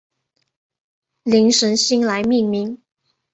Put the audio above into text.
灵神星来命名。